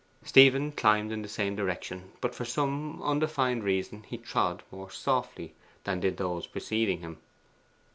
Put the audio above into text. Stephen climbed in the same direction, but for some undefined reason he trod more softly than did those preceding him.